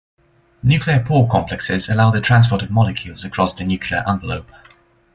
Nuclear pore complexes allow the transport of molecules across the nuclear envelope.